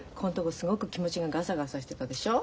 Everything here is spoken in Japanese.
すごく気持ちがガサガサしてたでしょ。